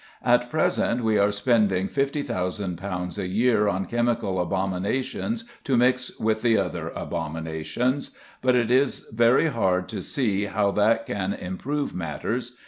At present we are spending £50,000 a year on chemical abominations to mix with the other abominations, but it is very hard to see how that can improve matters.